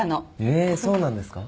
えーそうなんですか。